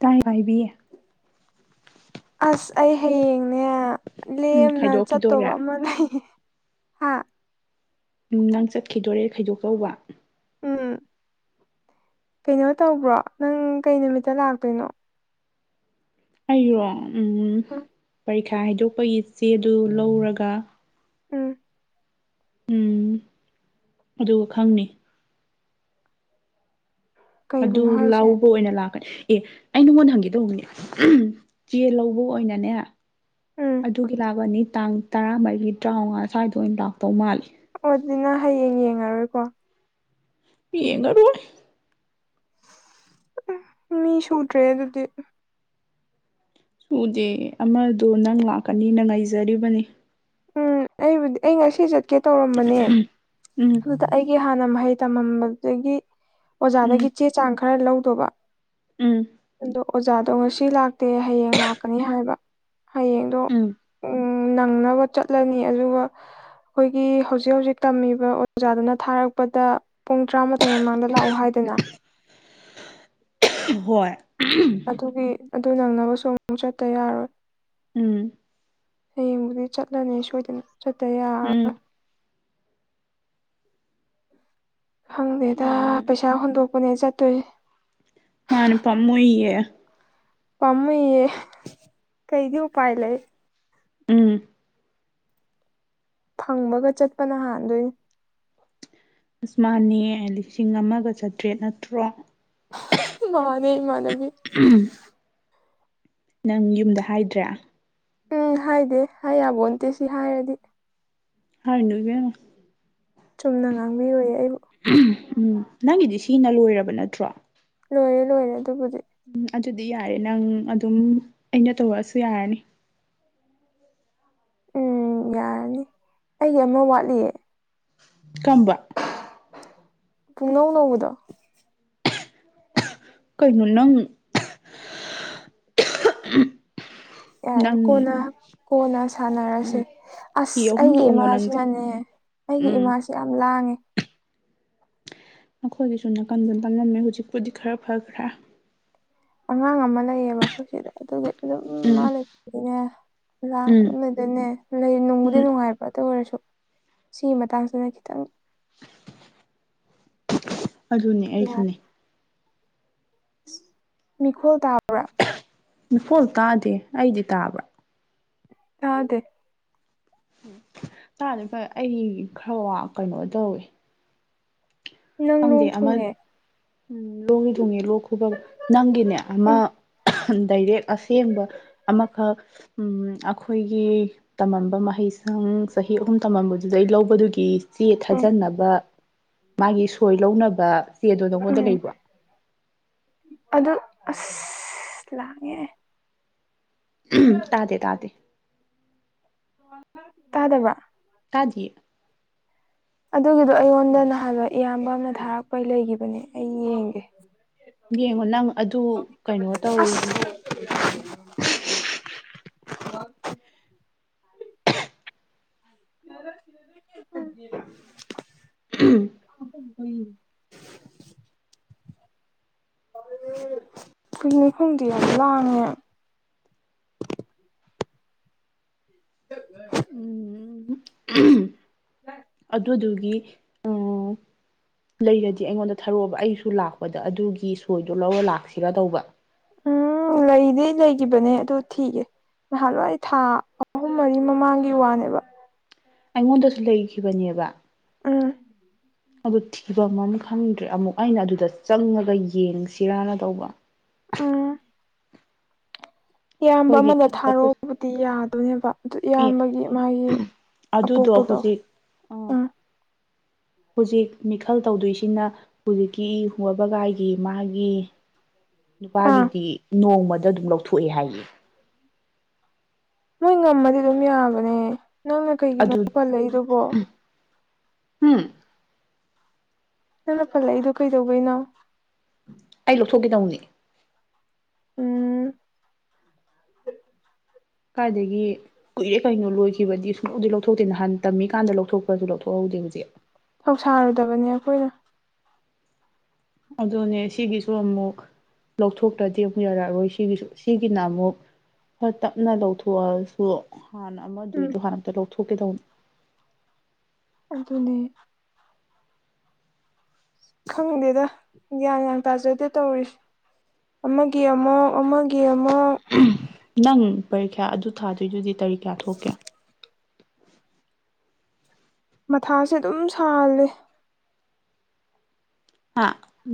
ꯇꯥꯏ ꯇꯥꯏꯕꯤ ꯑꯁ ꯑꯩ ꯍꯌꯦꯡꯅꯦ ꯎꯝ ꯂꯦꯝꯅ ꯆꯠꯇꯧꯕ ꯈꯥꯏꯗꯣꯛꯈꯤꯗꯣꯔꯦ ꯑꯃ ꯂꯩꯌꯦ ꯍꯥ ꯎꯝ ꯅꯪ ꯆꯠꯈꯤꯗꯣꯔꯦ ꯈꯩꯗꯣꯛꯀꯧꯕ ꯎꯝ ꯀꯩꯅꯣ ꯇꯧꯕ꯭ꯔꯣ ꯅꯪ ꯀꯩ ꯅꯨꯃꯤꯠꯇ ꯂꯥꯛꯇꯣꯏꯅꯣ ꯑꯩꯔꯣ ꯎ ꯎꯝ ꯄꯔꯤꯈꯥ ꯍꯥꯏꯗꯣꯛꯄꯒꯤ ꯆꯦꯗꯨ ꯂꯧꯔꯒ ꯎꯝ ꯎꯝ ꯑꯗꯨꯒ ꯈꯪꯅꯤ ꯑꯗꯨ ꯀꯩꯕꯨꯅꯣ ꯍꯥꯏꯁꯦ ꯂꯥꯎꯕ ꯑꯣꯏꯅ ꯂꯥꯛꯀꯅꯤ ꯑꯦ ꯑꯩ ꯅꯉꯣꯟꯗ ꯍꯪꯒꯦ ꯇꯧꯕꯅꯦ ꯆꯦ ꯂꯧꯕ ꯑꯣꯏꯅꯅꯦ ꯎꯝ ꯑꯗꯨꯒꯤ ꯂꯥꯛꯄꯅꯤ ꯇꯥꯡ ꯇꯔꯥꯃꯔꯤ ꯇꯔꯥꯃꯉꯥ ꯁ꯭ꯋꯥꯏꯗ ꯑꯣꯏꯅ ꯂꯥꯛꯇꯧ ꯃꯥꯜꯜꯂꯤꯦ ꯑꯣ ꯑꯗꯨꯅ ꯍꯌꯦꯡ ꯌꯦꯡꯉꯔꯣꯏꯀꯣ ꯄ ꯌꯦꯡ ꯉꯔ ꯎ ꯃꯤ ꯁꯨꯠ꯭ꯔꯦ ꯑꯗꯨꯗꯤ ꯁꯨꯗꯦ ꯑꯃꯗꯣ ꯅꯪ ꯂꯥꯛꯀꯅꯤꯅ ꯉꯥꯏꯖꯔꯤꯕꯅꯤ ꯎꯝ ꯑꯩꯕꯨꯗꯤ ꯑꯩ ꯉꯁꯤ ꯆꯠꯀꯦ ꯇꯧꯔꯝꯕꯅꯦ ꯎꯝ ꯑꯗꯨꯗ ꯑꯩꯒꯤ ꯍꯥꯟꯅ ꯃꯍꯩ ꯇꯝꯃꯝꯕꯗꯒꯤ ꯎꯝ ꯑꯣꯖꯥꯗꯒꯤ ꯆꯦ ꯆꯥꯡ ꯈꯔ ꯂꯧꯗꯧꯕ ꯎꯝ ꯑꯗꯣ ꯑꯣꯖꯥꯗꯣ ꯉꯁꯤ ꯂꯥꯛꯇꯦ ꯍꯌꯦꯡ ꯂꯥꯛꯀꯅꯤ ꯍꯥꯏꯕ ꯍꯌꯦꯡꯗꯣ ꯎꯝ ꯎꯝ ꯅꯪꯅꯕ ꯆꯠꯂꯅꯤ ꯑꯗꯨꯒ ꯑꯩꯈꯣꯏꯒꯤ ꯍꯧꯖꯤꯛ ꯍꯧꯖꯤ ꯇꯝꯃꯤꯕ ꯑꯣꯖꯥꯗꯨꯅ ꯊꯥꯔꯛꯄꯗ ꯄꯨꯡ ꯇꯔꯥꯃꯥꯊꯣꯏ ꯃꯃꯥꯡꯗ ꯂꯥꯛꯎ ꯍꯥꯏꯗꯅ ꯍꯣꯏ ꯑꯗꯨꯒꯤ ꯑꯗꯨ ꯅꯪꯅꯕꯁꯨ ꯑꯃꯨꯛ ꯆꯠꯇ ꯌꯥꯔꯣꯏ ꯎꯝ ꯍꯌꯦꯡꯕꯨꯗꯤ ꯆꯠꯂꯅꯤ ꯁꯣꯏꯗꯅ ꯆꯠꯇ ꯎꯝ ꯌꯥꯔ ꯈꯪꯗꯦꯗ ꯎꯝ ꯄꯩꯁꯥ ꯍꯨꯟꯗꯣꯛꯄꯅꯦ ꯆꯠꯇꯣꯏ ꯃꯥꯅ [inaudible] ꯄꯥꯝꯃꯩꯌꯦ ꯀꯩꯗꯤ ꯎꯄꯥꯏ ꯂꯩ ꯎꯝ ꯐꯪꯕꯒ ꯆꯠꯄꯅ ꯍꯥꯟꯗꯣꯏꯅꯤ ꯑꯁꯃꯥꯅꯤ ꯂꯤꯁꯤꯡ ꯑꯃꯒ ꯆꯥꯇ꯭ꯔꯦꯠ ꯅꯠꯇ꯭ꯔꯣ ꯃꯥꯅꯦꯃꯅꯕꯤ ꯅꯪ ꯌꯨꯝꯗ ꯍꯥꯏꯗ꯭ꯔꯦ ꯎꯝ ꯍꯥꯏꯗꯦ ꯍꯥꯏ ꯌꯥꯕꯣꯟꯇꯦ ꯁꯤ ꯍꯥꯏꯔꯗꯤ ꯍꯅꯨ ꯀꯅ ꯆꯨꯝꯅ ꯉꯥꯡꯕꯤꯔꯣꯏ ꯑꯩ ꯎꯝ ꯅꯪꯒꯤꯗꯤ ꯁꯤꯅ ꯂꯣꯏꯔꯕ ꯅꯠꯇ꯭ꯔꯣ ꯂꯣꯏꯔꯦ ꯂꯣꯏꯔꯦ ꯑꯗꯨꯕꯨꯗꯤ ꯎꯝ ꯑꯗꯨꯗꯤ ꯌꯥꯔꯦ ꯅꯪ ꯑꯗꯨꯝ ꯑꯩꯅ ꯇꯧꯔꯛꯑꯁꯨ ꯌꯥꯔꯅꯤ ꯎꯝ ꯌꯥꯔꯅꯤ ꯑꯩꯒꯤ ꯑꯃ ꯋꯥꯠꯂꯤꯌꯦ ꯀꯝꯕ ꯄꯨꯡꯅꯧ ꯅꯧꯕꯗꯣ ꯀꯩꯅꯩꯅꯣ ꯅꯪ ꯌꯥꯔꯦ ꯅꯪ ꯀꯣꯟꯅ ꯀꯣꯟꯅ ꯁꯥꯟꯅꯔꯁꯦ ꯎꯝ ꯍꯤ ꯑꯁ ꯑꯍꯨꯝ ꯑꯩꯒꯤ ꯇꯣꯡꯉꯣ ꯅꯪꯗꯤ ꯏꯃꯥꯁꯤꯅꯅꯦ ꯑꯩꯒꯤ ꯎꯝ ꯏꯃꯥꯥꯁꯦ ꯌꯥꯝ ꯂꯥꯡꯉꯦ ꯅꯈꯣꯏꯒꯤꯁꯨ ꯅꯥꯀꯟꯗ ꯇꯝꯂꯝꯝꯃꯦ ꯍꯧꯖꯤꯛꯄꯨꯗꯤ ꯈꯔ ꯐꯈ꯭ꯔꯥ ꯑꯉꯥꯡ ꯑꯃ ꯂꯩꯌꯦ ꯃꯈꯣꯏꯁꯤꯗ ꯑꯗꯨꯒ ꯑꯗꯨꯝ ꯃꯥ ꯎꯝ ꯂꯩꯇꯅꯤꯅꯦꯥꯡ ꯎꯝ ꯑꯗꯨꯅꯗꯅꯦ ꯂꯩ ꯅꯨꯡꯕꯨꯗꯤ ꯎꯝ ꯅꯨꯡꯉꯥꯏꯕ꯭ꯔꯇ ꯑꯣꯏꯔꯁꯨ ꯁꯤꯒꯤ ꯃꯇꯥꯡꯁꯤꯅ ꯈꯤꯇꯪ ꯑꯗꯨꯅꯦ ꯑꯩꯁꯨꯅꯦ ꯃꯤꯈꯜ ꯇꯥꯎꯥ ꯐꯣꯜ ꯇꯥꯗꯦ ꯑꯩꯗꯤ ꯇꯥꯕ꯭ꯔꯥ ꯑꯗꯦ ꯎ ꯇꯥꯗ ꯑꯩ ꯈꯔ ꯀꯩꯅꯣ ꯇꯧꯋꯦ ꯅꯪ ꯂꯣꯡ ꯊꯨꯡꯉꯦ ꯎꯝ ꯂꯣꯛꯒꯤ ꯊꯣꯡꯉꯦ ꯂꯣꯛ ꯈꯨꯕ ꯅꯪꯒꯤꯅꯦ ꯑꯃ ꯎꯝ ꯗꯥꯏꯔꯦꯛ ꯑꯁꯦꯡꯕ ꯑꯃꯈꯛ ꯑꯩꯈꯣꯏꯒꯤ ꯇꯝꯃꯝꯕ ꯃꯍꯩꯁ ꯪ ꯆꯍꯤ ꯑꯍꯨꯝ ꯇꯝꯃꯝꯕꯗꯨꯗ ꯑꯩ ꯂꯧꯕꯗꯨꯒꯤ ꯆꯦ ꯎꯝ ꯊꯥꯖꯟꯅꯕ ꯃꯥꯒꯤ ꯁꯣꯏ ꯂꯧꯅꯕ ꯆꯦꯗꯣ ꯅꯪꯉꯣꯟꯗ ꯎꯝ ꯂꯩꯕ꯭ꯔꯣ ꯑꯗꯨ ꯑꯁ ꯂꯦ ꯝ ꯇꯥꯗꯦ ꯇꯥꯗꯦ ꯀꯥꯗꯋꯥ ꯍꯥꯏꯗꯤ ꯑꯗꯨꯒꯤꯗꯣ ꯑꯩꯉꯣꯟꯗ ꯅꯍꯥꯟꯋꯥ ꯏꯌꯥꯝꯕ ꯑꯃꯅ ꯊꯥꯔꯛꯄꯩ ꯂꯩꯒꯤꯈꯤꯕꯅꯦ ꯑꯩ ꯌꯦꯡꯒꯦ ꯌꯦꯡꯉꯣ ꯅꯪ ꯑꯗꯨ ꯀꯩꯅꯣ ꯇꯧ [unintelligible] ꯍ [unintelligible] ꯎꯝ ꯍꯏ ꯄꯤꯛꯅꯤꯛ ꯍꯗꯤ ꯑ ꯂꯥꯅꯤ [unintelligible] [inaudible] ꯑꯗꯨꯗꯨꯒꯤ ꯑ [unintelligible] ꯂꯩꯔꯗꯤ ꯑꯩꯉꯣꯟꯗ ꯊꯔꯛꯑꯣꯕ ꯑꯩꯁꯨ ꯂꯥꯛꯄꯗ ꯑꯗꯨꯒꯤ ꯁꯣꯏꯗꯣ ꯂꯧꯔ ꯂꯥꯛꯁꯤꯔ ꯇꯧꯕ ꯎꯝ ꯂꯩꯗꯤ ꯂꯩꯈꯤꯕꯅꯦ ꯑꯗꯨ ꯊꯤꯒꯦ ꯅꯍꯥꯟꯋꯥ ꯑꯩ ꯊꯥ ꯑꯍꯨꯝ ꯃꯔꯤ ꯃꯃꯥꯡꯒꯤ ꯋꯥꯅꯦꯕ ꯑꯩꯉꯣꯟꯗꯁꯨ ꯂꯩꯈꯤꯕꯅꯦꯕ ꯑꯥ ꯑꯗꯨ ꯊꯤꯐꯝ ꯑꯃ ꯈꯪꯗ꯭ꯔꯦ ꯑꯃꯨꯛ ꯑꯩꯅ ꯑꯗꯨꯗ ꯆꯪꯉꯒ ꯌꯦꯡꯁꯤꯔꯥꯅ ꯇꯧꯕ ꯎꯝ ꯏꯌꯥꯝꯕ ꯑꯩꯈꯣꯏꯒꯤ ꯑꯃꯗ ꯊꯥꯒꯠꯄ ꯊꯥꯔꯛꯕꯨꯗꯤ ꯌꯥꯗꯣꯏꯅꯦꯕ ꯑꯗꯨ ꯑꯦ ꯏꯌꯥꯝꯕꯒꯤ ꯃꯥꯒꯤ ꯑꯗꯨꯗꯣ ꯑꯄꯣꯛꯄꯗꯣ ꯍꯧꯖꯤꯛ ꯑ ꯎꯝ ꯍꯧꯖꯤꯛ ꯃꯤꯈꯜ ꯇꯧꯗꯣꯏꯁꯤꯅ ꯍꯧꯖꯤꯛꯀꯤ ꯏ ꯍ ꯋꯥꯕꯒꯥꯏꯒꯤ ꯃꯥꯒꯤ ꯎ ꯅꯨꯄꯥꯒꯤꯗꯤ ꯅꯣꯡꯃꯗ ꯑꯗꯨꯝ ꯂꯧꯊꯣꯛꯑꯦ ꯍꯥꯏꯌꯦ ꯃꯣꯏ ꯉꯝꯃꯗꯤ ꯑꯗꯨꯝ ꯌꯥꯕꯅꯦ ꯅꯪꯅ ꯀꯩꯒꯤꯅꯣ ꯑꯗꯨ ꯄꯜ ꯂꯩꯗꯨꯕꯣ ꯎꯝ ꯅꯪꯅ ꯄꯜꯂꯛꯏꯗꯣ ꯀꯩꯗꯧꯧꯕꯅꯣ ꯑꯩ ꯂꯧꯊꯣꯛꯒꯦꯗꯧꯅꯤ ꯎꯝ ꯀꯥꯏꯗꯒꯤ ꯀꯨꯏꯔꯦ ꯀꯩꯅꯣ ꯂꯣꯏꯈꯤꯕꯗꯤ ꯁꯨꯡꯧꯗꯤ ꯂꯧꯊꯣꯛꯇꯦ ꯅꯍꯥꯟ ꯇꯝꯃꯤꯀꯥꯟꯗ ꯂꯧꯊꯣꯛꯄꯁꯨ ꯂꯧꯊꯣꯛꯍꯧꯦ ꯗ ꯊꯧꯁꯥꯔꯨꯗꯕꯅꯦ ꯑꯩꯈꯣꯏꯅ ꯑꯗꯨꯅꯦ ꯁꯤꯒꯤꯁꯨ ꯑꯃꯨꯛ ꯂꯧꯊꯣꯛꯇ꯭ꯔꯗꯤ ꯑꯃꯨꯛ ꯌꯥꯔꯛꯑꯔꯣꯏ ꯁꯤꯒꯤꯁꯨ ꯁꯤꯒꯤꯅ ꯑꯃꯨꯛ ꯍꯣꯏ ꯇꯞꯅ ꯂꯧꯊꯣꯛꯑꯁꯨ ꯍꯥꯟꯅ ꯎꯝ ꯑꯃꯗꯨꯏꯗꯣ ꯍꯥꯟꯅꯛꯇ ꯂꯧꯊꯣꯛꯀꯦꯗꯧꯅꯦ ꯑꯗꯨꯅꯤ ꯈꯪꯗꯦꯗ ꯒ꯭ꯌꯥꯟ ꯭ꯌꯥꯟ ꯇꯥꯖꯗꯦ ꯇꯧꯔꯤꯁ ꯑꯃꯒꯤ ꯑꯃ ꯑꯃꯒꯤ ꯑꯃ ꯅꯪ ꯄꯔꯤꯈ꯭ꯌꯥ ꯑꯗꯨ ꯊꯥꯗꯣꯏꯗꯨꯗꯤ ꯇꯔꯤ ꯀꯌꯥ ꯊꯣꯛꯀꯦ ꯃꯊꯥꯁꯦ ꯑꯗꯨꯝ ꯁꯥꯜꯂꯦ ꯍꯥ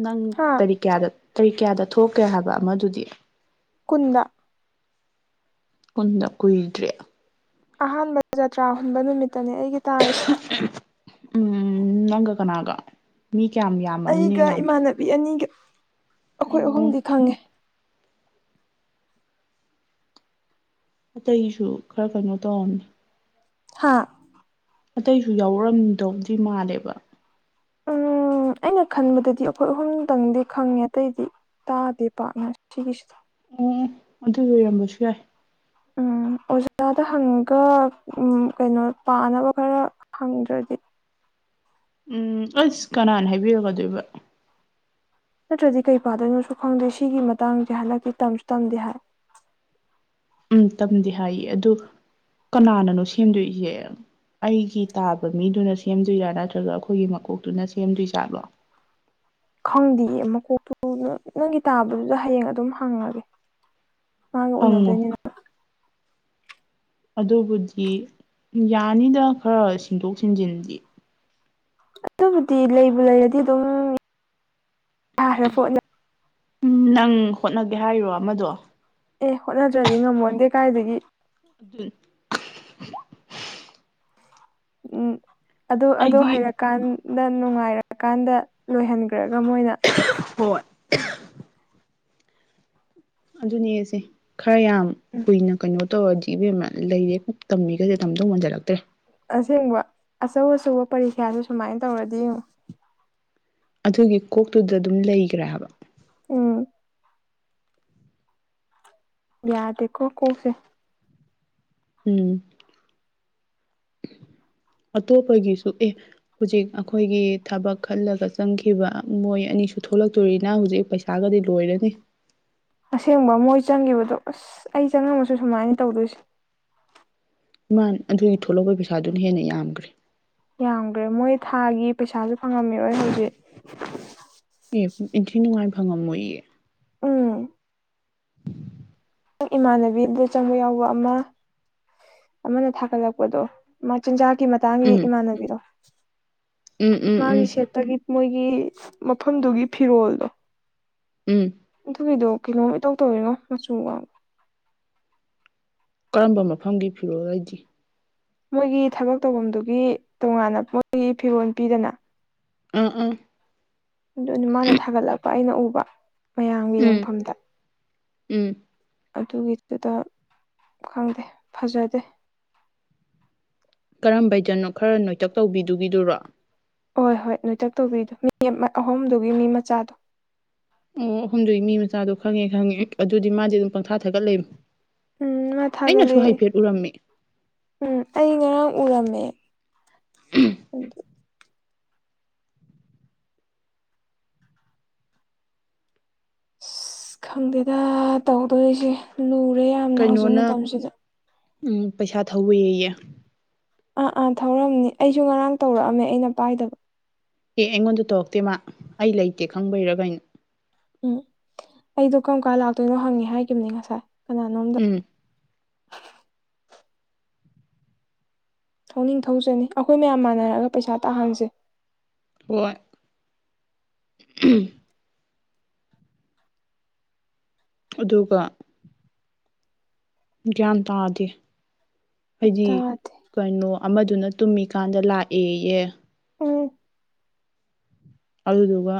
ꯅꯪ ꯍꯥ ꯇꯔꯤꯛ ꯀꯌꯥꯗ ꯇꯔꯤꯛ ꯀꯌꯥꯗ ꯊꯣꯛꯀꯦ ꯍꯥꯏꯕ ꯑꯃꯗꯨꯗꯤ ꯀꯟꯗ ꯀꯨꯟꯗ ꯀꯨꯏꯗ꯭ꯔꯦ ꯑꯍꯥꯟꯕ ꯖꯇ꯭ꯔꯥ ꯍꯨꯟꯕ ꯅꯨꯃꯤꯠꯇꯅꯦ ꯑꯩꯒꯤ ꯇꯥꯔ ꯎꯝ ꯅꯪꯒ ꯀꯅꯥꯒ ꯃꯤ ꯀꯌꯥꯝ ꯌꯥꯝꯕ ꯃꯤꯅ ꯑꯩꯒ ꯌꯥꯝꯗ꯭ꯔꯣ ꯏꯃꯥꯟꯅꯕꯤ ꯑꯅꯤꯒ ꯑꯩꯈꯣꯏ ꯑꯣ ꯑꯍꯨꯝꯗꯤ ꯈꯪꯉꯦ ꯑꯇꯩꯁꯨ ꯈꯔ ꯀꯩꯅꯣ ꯇꯧꯔꯅꯤ ꯍꯥꯥ ꯑꯇꯩꯁꯨ ꯌꯥꯎꯔꯝꯗꯧꯗꯤ ꯃꯥꯜꯂꯦꯕ ꯎꯝ ꯎꯝ ꯑꯩꯅ ꯈꯟꯕꯗꯗꯤ ꯑꯩꯈꯣꯏ ꯑꯍꯨꯝꯗꯪꯗꯤ ꯈꯪꯉꯦ ꯑꯇꯩꯗꯤ ꯇꯥꯗꯦ ꯄꯥꯛꯔꯅꯔ ꯁꯤꯒꯤꯁꯤ ꯎꯝ ꯎ ꯑꯗꯨ ꯂꯣꯏꯔꯝꯕꯁꯨ ꯌꯥꯏ ꯎꯝ ꯑꯣꯖꯥꯗ ꯍꯪꯉꯒ ꯎ ꯀꯩꯅꯣ ꯄꯥꯅꯕ ꯈꯔ ꯍꯪꯗ꯭ꯔꯗꯤ ꯎꯝ ꯑꯁ ꯀꯅꯥꯅ ꯍꯥꯏꯕꯤꯔꯨꯒꯗꯣꯏꯕ꯫ ꯅꯠꯇ꯭ꯔꯗꯤ ꯀꯩ ꯄꯥꯗꯣꯏꯅꯣꯁꯨ ꯈꯪꯗꯦ ꯁꯤꯒꯤ ꯃꯇꯥꯡꯁꯦ ꯍꯟꯗꯛꯇꯤ ꯇꯝꯁꯨ ꯇꯝꯗꯦ ꯍꯥꯏ꯫ [inaudible] ꯎꯝ ꯇꯝꯗꯤ ꯍꯥꯏꯌꯦ ꯑꯗꯨ ꯀꯅꯥꯅꯅꯣ ꯁꯦꯝꯗꯣꯏꯁꯦ꯫ ꯑꯩꯒꯤ ꯇꯥꯕ ꯃꯤꯗꯨꯅ ꯁꯦꯝꯗꯣꯏꯔꯥ ꯅꯠꯇ꯭ꯔꯒ ꯑꯈꯣꯏꯒꯤ ꯃꯀꯣꯛꯇꯨꯅ ꯁꯦꯝꯗꯣꯏꯖꯥꯠꯂꫭ꯫ [inaudible] ꯈꯪꯗꯤꯌꯦ ꯃꯀꯣꯛꯇꯨ ꯅꯪꯒꯤ ꯇꯥꯕꯗꯨꯗ ꯍꯌꯦꯡ ꯑꯗꯨꯝ ꯍꯪꯑꯒꯦ꯫ ꯃꯥꯒ ꯍꯪꯉꯨ ꯎꯅꯗꯣꯏꯅꯤꯅ꯫ ꯑꯗꯨꯕꯨꯗꯤ ꯌꯥꯅꯤꯗ ꯈꯔ ꯁꯤꯟꯗꯣꯛ ꯁꯤꯟꯖꯤꯟꯗꯤ꯫ ꯑꯗꯨꯕꯨꯗꯤ ꯂꯩꯕꯨ ꯂꯩꯔꯗꯤ ꯑꯗꯨꯝ ꯌꯥꯈ꯭ꯔ ꯄꯣꯠꯅ ꯎꯝ ꯅꯪ ꯍꯣꯠꯅꯒꯦ ꯍꯥꯏꯔꯣ ꯑꯃꯗꯣ꯫ ꯑꯦ ꯍꯣꯠꯅꯗ꯭ꯔꯗꯤ ꯉꯝꯃꯣꯟꯗꯦ ꯀꯥꯏꯗꯒꯤ꯫ [unintelligible] ꯎꯝ ꯑꯗꯨ ꯑꯗꯨ ꯑꯩꯗꯤ ꯍꯩꯔꯀꯥꯟꯗ ꯅꯨꯡꯉꯥꯏꯔꯀꯥꯟꯗ ꯂꯣꯏꯍꯟꯈ꯭ꯔ ꯉꯃꯣꯏꯅ ꯍꯣꯏ ꯑꯗꯨꯅꯦꯁꯦ ꯈꯔ ꯌꯥꯝ ꯀꯨꯏꯅ ꯀꯩꯅꯣ ꯇꯧꯔꯗꯤ ꯕꯦꯃ ꯂꯩꯔꯦ ꯇꯝꯃꯤꯈꯩꯁꯦ ꯇꯝꯗꯧ ꯃꯟꯖꯜꯂꯛꯇ꯭ꯔꯦ꯫ ꯑꯁꯦꯡꯕ ꯑꯆꯧ ꯑꯆꯧꯕ ꯄꯔꯤꯈꯥꯗꯨ ꯁꯨꯃꯥꯏꯅ ꯇꯧꯔꯗꯤ ꯌꯦꯡꯉꯣ꯫ ꯑꯗꯨꯒꯤ ꯀꯣꯛꯇꯨꯗ ꯗꯨꯝ ꯂꯩꯈ꯭ꯔꯦ ꯍꯥꯏꯕ꯫ ꯎꯝ꯫ ꯌꯥꯗꯦꯀꯣ ꯀꯣꯛꯁꯦ꯫ ꯎꯝ꯫ [inaudible] ꯑꯇꯣꯞꯄꯒꯤꯁꯨ ꯑꯦ ꯍꯧꯖꯤꯛ ꯑꯈꯣꯏꯒꯤ ꯊꯕꯛ ꯈꯜꯂꯒ ꯆꯪꯈꯤꯕ ꯃꯣꯏ ꯑꯅ ꯅꯤꯁꯨ ꯊꯣꯛꯂꯛꯇꯣꯔꯤꯅ ꯍꯧꯖꯤꯛ ꯄꯩꯁꯥꯒꯗꯤ ꯂꯣꯏꯔꯅꯤ ꯑꯁꯦꯡꯕ ꯃꯣꯏ ꯆꯪꯈꯤꯕꯗꯣ ꯑꯁ ꯑꯩ ꯆꯪꯉꯝꯃꯁꯨ ꯁꯨꯃꯥꯏꯅ ꯇꯧꯗꯣꯏꯁꯦ꯫ ꯏꯃꯥꯟ ꯑꯗꯨꯒꯤ ꯊꯣꯛꯂꯛꯄ ꯄꯩꯁꯥꯗꯨꯅ ꯍꯦꯟꯅ ꯌꯥꯝꯈ꯭ꯔꯦ꯫ ꯌꯥꯝꯈ꯭ꯔꯦ ꯃꯣꯏ ꯊꯥꯒꯤ ꯄꯩꯁꯥꯁꯨ ꯐꯪꯉꯝꯃꯤꯔꯣꯏ ꯍꯧꯖꯤꯛ꯫ ꯑꯦ ꯏꯟꯊꯤ ꯅꯨꯡꯉꯥꯏ ꯐꯪꯉꯝꯃꯣꯏꯌꯦ꯫ ꯎꯝ ꯏꯃꯥꯟꯅꯕꯤ ꯑꯗꯨꯗ ꯆꯪꯕ ꯌꯥꯎꯕ ꯑꯃ ꯑꯃꯅ ꯊꯥꯒꯠꯂꯛꯄꯗꯣ ꯃꯥ ꯆꯤꯟꯖꯥꯛꯀꯤ ꯃꯇꯥꯡꯒꯤ ꯎꯝ ꯏꯃꯥꯟꯅꯕꯤꯗꯣ ꯎꯝ ꯎꯝ ꯎꯝ ꯃꯥꯒꯤ ꯁꯦꯠꯇꯒꯤ ꯃꯣꯏꯒꯤ ꯃꯐꯝꯗꯨꯒꯤ ꯐꯤꯔꯣꯜꯗꯣ ꯎꯝ ꯑꯗꯨꯒꯤꯗꯣ ꯀꯩꯅꯣꯝ ꯏꯇꯧ ꯇꯧꯏꯉꯣ ꯃꯆꯨꯒ꯫ ꯀꯔꯝꯕ ꯃꯐꯝꯒꯤ ꯐꯤꯔꯣꯜ ꯍꯥꯏꯗꯤ꯫ ꯃꯣꯏꯒꯤ ꯊꯕꯛ ꯇꯧꯐꯝꯗꯨꯒꯤ ꯇꯣꯉꯥꯟꯅ ꯃꯣꯏꯒꯤ ꯐꯤꯔꯣꯜ ꯄꯤꯗꯅ꯫ ꯑꯥ ꯑꯥ꯫ ꯑꯗꯨꯅ ꯃꯥꯅ ꯊꯥꯒꯠꯂꯛꯄ ꯑꯩꯅ ꯎꯕ ꯃꯌꯥꯝꯒꯤ ꯎꯝ ꯌꯦꯡꯐꯝꯗ꯫ ꯎꯝ꯫ ꯑꯗꯨꯒꯤꯗꯨꯗ ꯈꯪꯗꯦ ꯐꯖꯗꯦ꯫ ꯀꯔꯝꯕ ꯩꯖꯅꯣ ꯈꯔ ꯅꯣꯏꯇꯛ ꯇꯧꯕꯤꯗꯨꯒꯤꯗꯨꯔꯣ꯫ ꯍꯣꯏ-ꯍꯣꯏ ꯅꯣꯏꯇꯛ ꯇꯧꯕꯤꯗꯨ ꯃꯤ ꯑꯍꯨꯝꯗꯨꯒꯤ ꯃꯤ ꯃꯆꯥꯗꯣ꯫ ꯑꯣ ꯑꯍꯨꯝꯗꯨꯒꯤ ꯃꯤ ꯃꯆꯥꯗꯣ ꯈꯪꯉꯦ-ꯈꯪꯉꯦ ꯑꯗꯨꯗꯤ ꯃꯥꯗꯤ ꯑꯗꯨꯝ ꯄꯪꯊꯥ ꯊꯒꯠꯂꯩ꯫ ꯎꯝ ꯃꯥ ꯊꯥꯒꯠꯂꯦ ꯎꯝ ꯑꯩ ꯉꯔꯥꯡ ꯎꯔꯝꯃꯦ꯫ ꯑꯗꯨ ꯑꯁ ꯈꯪꯗꯦꯗ ꯇꯧꯗꯣꯔꯤꯁꯦ ꯂꯨ ꯔꯦ ꯌꯥꯝꯅ ꯍꯧꯖꯤꯛ ꯀꯩꯅꯣꯅ ꯃꯇꯝꯁꯤꯗ ꯎꯝ ꯄꯩꯁꯥ ꯊꯧꯋꯦꯌꯦ꯫ ꯑꯥ ꯑꯥ ꯊꯧꯔꯝꯅꯤ ꯑꯩꯁꯨ ꯉꯔꯥꯡ ꯇꯧꯔꯛꯑꯝꯃꯦ ꯑꯩꯅ ꯄꯥꯏꯗꯕ꯫ ꯑꯦ ꯑꯩꯉꯣꯟꯗ ꯇꯧꯔꯛꯇꯦ ꯃꯥ ꯑꯩ ꯂꯩꯇꯦ ꯈꯪꯕꯩꯔꯒꯩꯅꯣ꯫ ꯎꯝ ꯑꯩꯗꯣ ꯀꯔꯝ ꯀꯥꯟ ꯂꯥꯛꯇꯣꯏꯅꯣ ꯍꯪꯉꯦ ꯍꯥꯏꯈꯤꯕꯅꯤ ꯉꯁꯥꯏ꯫ ꯀꯅꯥꯅꯣꯝꯗ ꯎꯝ ꯊꯧꯅꯤꯡ ꯊꯊꯧꯖꯅꯤ ꯑꯩꯈꯣꯏ ꯃꯌꯥꯝ ꯃꯥꯟꯅꯔꯒ ꯄꯩꯁꯥ ꯇꯥꯍꯟꯁꯦ ꯍꯣꯢ ꯑꯗꯨꯒ ꯒ꯭ꯌꯥꯟ ꯇꯥꯗꯦ ꯍꯥꯏꯗꯤ ꯇꯥꯗꯦ ꯀꯩꯅꯣ ꯑꯃꯗꯨꯅ ꯇꯨꯝꯃꯤꯀꯥꯟꯗ ꯂꯥꯛꯑꯦ ꯑꯦ ꯎꯝ ꯑꯗꯨꯗꯨꯒ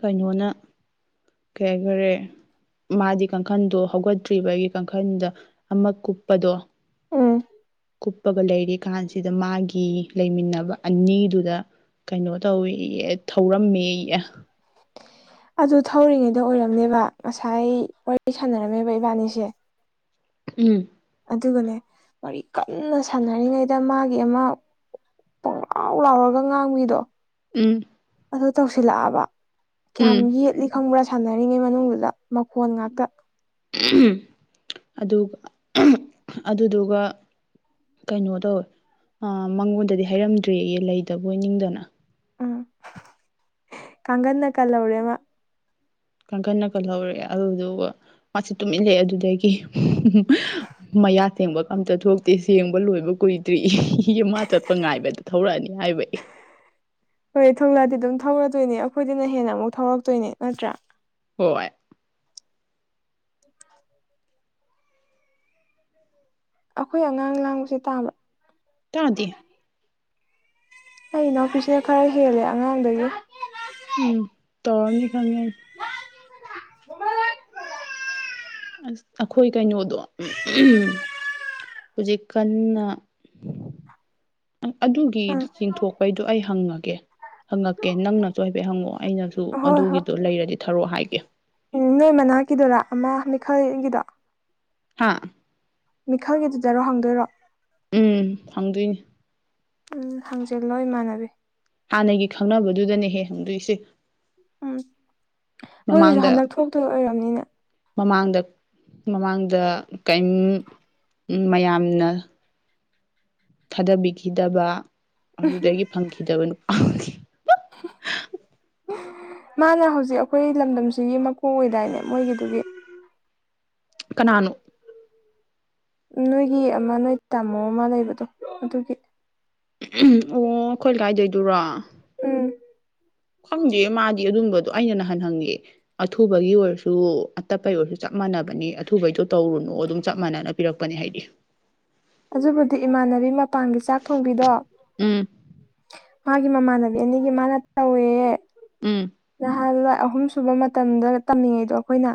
ꯀꯩꯅꯣꯅ ꯀꯩ ꯍꯥꯏꯈꯔꯦ ꯃꯥꯗꯤ ꯀꯥꯡꯈꯟꯗꯣ ꯍꯧꯒꯠꯇ꯭ꯔꯤꯕ ꯑꯩꯒꯤ ꯀꯥꯡꯈꯟꯗ ꯑꯃ ꯀꯨꯞꯄꯗꯣ ꯎꯝ ꯀꯨꯞꯄꯒ ꯂꯩꯔꯤ ꯀꯥꯟꯁꯤꯗ ꯃꯥꯒꯤ ꯂꯩꯃꯤꯟꯅꯕ ꯑꯅꯤꯗꯨꯗ ꯀꯩꯅꯣ ꯇꯧꯏ ꯊꯧꯔꯝꯃꯦ [inaudible] ꯑꯗꯨ ꯊꯧꯔꯤꯉꯩꯗ ꯑꯣꯏꯔꯝꯅꯦꯕ ꯉꯁꯥꯏ ꯋꯥꯔꯤ ꯁꯥꯟꯅꯔꯝꯃꯦꯕ ꯏꯕꯥꯅꯤꯁꯦ ꯎꯝ ꯑꯗꯨꯒꯅꯦ ꯃꯔꯤ ꯀꯟꯅ ꯁꯥꯟꯅꯔꯤꯉꯩꯗ ꯃꯥꯒꯤ ꯑꯃ ꯄꯨꯡꯂꯥꯎ ꯂꯥꯎꯔꯒ ꯉꯥꯡꯕꯤꯗꯣ ꯎꯝ ꯑꯗꯨ ꯇꯧꯁꯤꯜꯂꯛꯑꯕ ꯀꯌꯥꯝ ꯎꯝ ꯌꯦꯠꯂꯤ ꯈꯪꯕ꯭ꯔꯥ ꯁꯥꯟꯅꯔꯤꯉꯩ ꯃꯅꯨꯡꯗꯨꯗ ꯃꯈꯣꯟ ꯉꯥꯛꯇ ꯑꯗꯨꯒ ꯑꯗꯨꯗꯨꯒ ꯀꯩꯅꯣ ꯇꯧꯋꯦ ꯑ ꯃꯉꯣꯟꯗꯗꯤ ꯍꯥꯏꯔꯝꯗ꯭ꯔꯦ ꯂꯩꯗꯕ ꯑꯣꯏ ꯅꯤꯡꯗꯅ ꯎꯝ ꯀꯥꯡꯒꯅ ꯀꯜꯍꯧꯔꯦ ꯃꯥ ꯀꯥꯡꯈꯠꯅ ꯀꯟꯍꯧꯔꯑꯦ ꯑꯗꯨꯗꯨꯒ ꯃꯥꯁꯤ ꯇꯨꯝ ꯏꯜꯂꯑꯦ ꯑꯗꯨꯗꯒꯤ ꯃꯌꯥ ꯊꯦꯡꯕ ꯀꯝꯇ ꯊꯣꯛꯇꯦ ꯁꯦꯡꯕ ꯂꯣꯏꯕ ꯀꯨꯏꯗ꯭ꯔꯤ ꯏ ꯏ ꯑꯃ ꯆꯠꯄ ꯉꯥꯏꯕꯗ ꯊꯧꯔꯛꯑꯅꯤ ꯍꯥꯏꯕ ꯏ ꯍꯣꯏ ꯊꯣꯂꯥꯗꯤ ꯑꯗꯨꯝ ꯊꯧꯔꯗꯣꯏꯅꯦ ꯑꯩꯈꯣꯏꯗꯤꯅ ꯍꯦꯟꯅ ꯑꯃꯨꯛ ꯊꯧꯔꯛꯇꯣꯏꯅꯦ ꯅꯠꯇ꯭ꯔꯥ ꯍꯣꯢ ꯑꯩꯈꯣꯏ ꯑꯉꯥꯡ ꯂꯥꯡꯕꯁꯦ ꯇꯥꯕ꯭ꯔꯥ ꯇꯥꯗꯤ ꯑꯩ ꯏꯅꯥꯎꯄꯤꯁꯤꯅ ꯈꯔ ꯍꯦꯜꯂꯦ ꯑꯉꯥꯡꯗꯒꯤ ꯎꯝ ꯇꯧꯔꯅꯤ ꯈꯉ ꯊ ꯑꯁ ꯑꯩꯈꯣꯏ ꯀꯩꯅꯣꯗꯣ ꯍꯧꯖꯤꯛ ꯀꯟꯅ ꯑꯗꯨꯒꯤ ꯎꯝ ꯆꯤꯡꯊꯣꯛꯄꯩꯗꯣ ꯑꯩ ꯍꯪꯉꯒꯦ ꯍꯪꯉꯛꯀꯦ ꯅꯪꯅꯁꯨ ꯍꯥꯏꯐꯦꯠ ꯍꯪꯉꯛꯑꯣ ꯑꯩꯅꯁꯨ ꯍꯣꯏ ꯑꯗꯨꯒꯤꯗꯣ ꯂꯩꯔꯗꯤ ꯊꯧꯔꯛꯑꯣ ꯍꯥꯏꯒꯦ ꯎ ꯅꯣꯏ ꯃꯅꯥꯛꯀꯤꯗꯨꯔꯥ ꯑꯃ ꯃꯤꯈꯜꯒꯤꯗꯣ ꯍꯥꯥ ꯃꯤꯈꯜꯒꯤꯗꯨꯗꯔꯣ ꯍꯪꯗꯣꯏꯔꯣ ꯎꯝ ꯍꯪꯗꯣꯏꯅꯤ ꯎꯝ ꯍꯪꯖꯦꯜ ꯂꯣꯏ ꯏꯃꯥꯟꯅꯕꯤ ꯍꯥꯟꯅꯒꯤ ꯈꯪꯅꯕꯗꯨꯗꯅꯦꯍꯦ ꯍꯪꯗꯣꯏꯁꯦ ꯎꯝ ꯃꯣꯏꯒꯤꯁꯨ ꯃꯃꯥꯡꯗ ꯍꯟꯗꯛ ꯊꯣꯛꯇ ꯑꯣꯏꯔꯕꯅꯤꯅ ꯃꯃꯥꯡꯗ ꯃꯃꯥꯡꯗ ꯀꯩꯝ ꯃꯌꯥꯝꯅ ꯊꯥꯗꯕꯤꯈꯤꯗꯕ ꯑꯗꯨꯗꯒꯤ ꯐꯪꯈꯤꯗꯕ ꯅꯨ [inaudible] ꯃꯥꯅ ꯍꯧꯖꯤꯛ ꯑꯩꯈꯣꯏ ꯂꯝꯗꯝꯁꯤꯒꯤ ꯃꯀꯣꯛ ꯑꯣꯏꯗꯥꯏꯅꯦ ꯃꯣꯏꯒꯤꯗꯨꯒꯤ ꯀꯅꯥꯅꯨ ꯅꯣꯏꯒꯤ ꯑꯃ ꯅꯣꯏ ꯇꯥꯃꯣ ꯑꯃ ꯂꯩꯕꯗꯣ ꯑꯗꯨꯒꯤ ꯑꯣ ꯑꯩꯈꯣꯏ ꯂꯩꯀꯥꯏꯗꯣꯏꯗꯨꯔꯣ ꯎꯝ ꯈꯪꯗꯦ ꯃꯥꯗꯤ ꯑꯗꯨꯝꯕꯗꯣ ꯑꯩꯅ ꯅꯍꯥꯟ ꯍꯪꯉꯦ ꯑꯊꯨꯕꯒꯤ ꯑꯣꯏꯔꯁꯨ ꯑꯇꯞꯄꯒꯤ ꯑꯣꯏꯔꯁꯨ ꯆꯪꯉꯦ ꯆꯞ ꯃꯥꯟꯅꯕꯅꯤ ꯑꯊꯨꯕꯩꯗꯣ ꯇꯧꯔꯨꯅꯨ ꯑꯗꯨꯝ ꯆꯞ ꯃꯥꯟꯅꯅ ꯄꯤꯔꯛꯄꯅꯤ ꯍꯥꯏꯗꯤ ꯑꯗꯨꯕꯨꯗꯤ ꯏꯃꯥꯟꯅꯕꯤ ꯃꯄꯥꯟꯒꯤ ꯆꯥꯛ ꯊꯣꯡꯕꯤꯗꯣ ꯎꯝ ꯃꯥꯒꯤ ꯃꯃꯥꯟꯅꯕꯤ ꯑꯅꯤꯒꯤ ꯃꯥꯅ ꯇꯧꯋꯦ ꯎꯝ ꯅꯍꯥꯟꯋꯥꯏ ꯑꯍꯨꯝ ꯁꯨꯕ ꯃꯇꯝꯗ ꯇꯝꯃꯤꯉꯩꯗꯣ ꯑꯩꯈꯣꯏꯅ